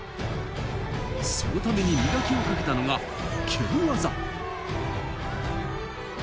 そのために磨きをかけたのが蹴り技。